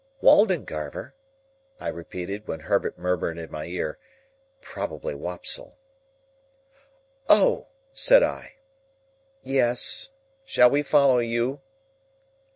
"Waldengarver?" I repeated—when Herbert murmured in my ear, "Probably Wopsle." "Oh!" said I. "Yes. Shall we follow you?"